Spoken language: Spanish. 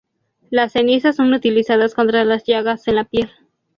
Las cenizas son utilizadas contra las llagas en la piel.